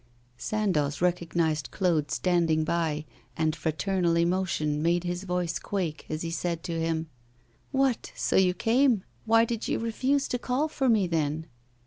Sandoz recognised Claude standing by, and fraternal emotion made his voice quake as he said to him: 'What! so you came? Why did you refuse to call for me, then?